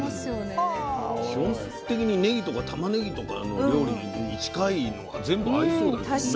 基本的にねぎとかたまねぎとかの料理に近いのが全部合いそうだけどね。